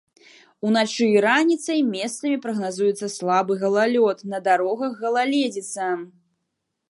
Уначы і раніцай месцамі прагназуецца слабы галалёд, на дарогах галалёдзіца.